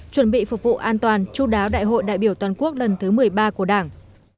chuẩn bị phục vụ an toàn chú đáo đại hội đại biểu toàn quốc lần thứ một mươi ba của đảng